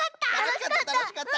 たのしかった。